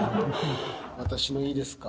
私のいいですか？